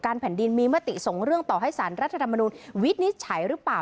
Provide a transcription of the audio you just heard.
แผ่นดินมีมติส่งเรื่องต่อให้สารรัฐธรรมนุนวินิจฉัยหรือเปล่า